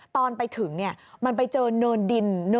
ตอนไปถึงมันไปเจอเนินดิน